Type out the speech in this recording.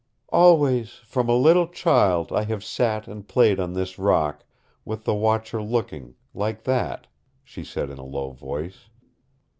"Always, from a little child, I have sat and played on this rock, with the Watcher looking, like that," she said in a low voice.